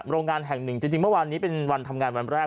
โรงงานแห่งหนึ่งจริงเมื่อวานนี้เป็นวันทำงานวันแรก